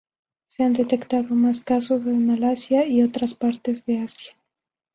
Se han detectado más casos en Malasia y otras partes de Asia.